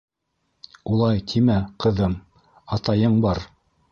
Улай тимә, ҡыҙым, атайың бар.